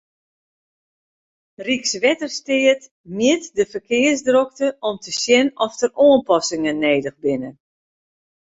Rykswettersteat mjit de ferkearsdrokte om te sjen oft der oanpassingen nedich binne.